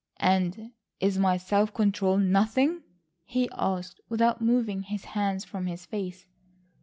"And is my self control nothing?" he asked, without moving his hands from his face.